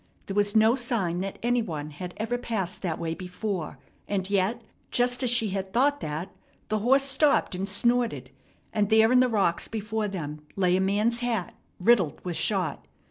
There was no sign that any one had ever passed that way before; and yet, just as she had thought that, the horse stopped and snorted, and there in the rocks before them lay a man's hat riddled with shot.